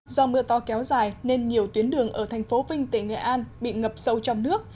do mưa to kéo dài nên nhiều tuyến đường ở thành phố vinh tỉnh nghệ an bị ngập sâu trong nước